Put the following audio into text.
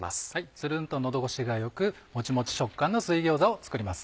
つるんと喉越しが良くもちもち食感の水餃子を作ります。